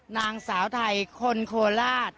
นางสาวไทยคนโคราช